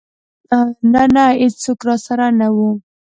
نه نه ايڅوک راسره نه و.